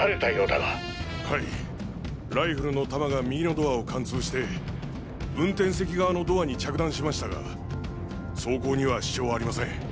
ライフルの弾が右のドアを貫通して運転席側のドアに着弾しましたが走行には支障ありません。